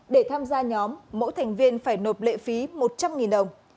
để tham gia nhóm mỗi thành viên phải nộp lệ phí một trăm linh đồng